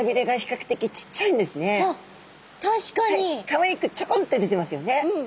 かわいくチョコンッて出てますよね。